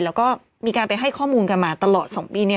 แล้วก็มีการไปให้ข้อมูลกันมาตลอด๒ปี